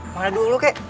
mana dulu kek